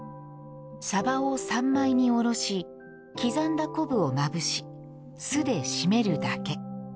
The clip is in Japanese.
さばを３枚におろし刻んだ昆布をまぶし酢で締めるだけ。